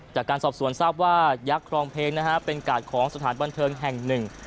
จากการสอบสวนทราบว่ายักษ์ครองเพลงนะฮะเป็นกาดของสถานบันเทิงแห่งหนึ่ง